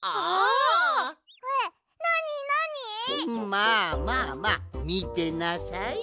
まあまあまあみてなさい。